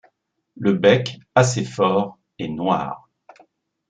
Le bec, assez fort, est noir.